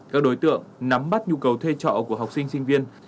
các đối tượng nắm bắt nhu cầu thuê trọ của học sinh sinh viên